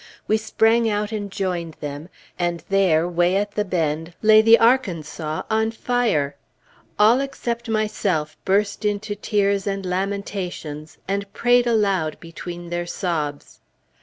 We sprang out and joined them, and there, way at the bend, lay the Arkansas on fire! All except myself burst into tears and lamentations, and prayed aloud between their sobs.